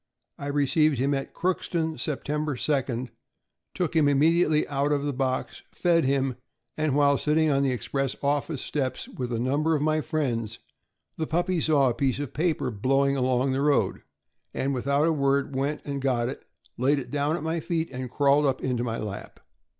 I received him at Crooks ton September 2d, took him immediately out of the box, fed him, and while sitting on the express office steps with a number of my friends, the puppy saw a piece of paper blow ing along the road, and, without a word, went and got it, laid it down at my feet, and crawled up into my lap.